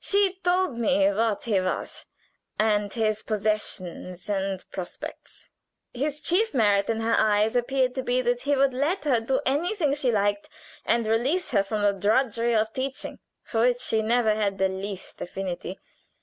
She told me what he was, and his possessions and prospects; his chief merit in her eyes appeared to be that he would let her do anything she liked, and release her from the drudgery of teaching, for which she never had the least affinity.